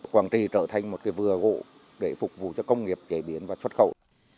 quảng trị trở thành một vừa gỗ để phục vụ cho công nghiệp chế biến và xuất khẩu